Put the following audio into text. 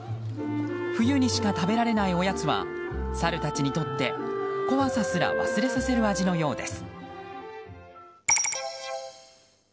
冬にしか食べられないおやつはサルたちにとって怖さすら忘れさせる味のようです。